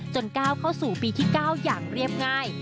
ก้าวเข้าสู่ปีที่๙อย่างเรียบง่าย